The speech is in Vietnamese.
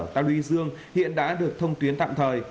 tàu luy dương hiện đã được thông tuyến tạm thời